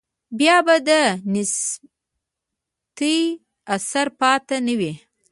بیا به د نیستۍ اثر پاتې نه وي.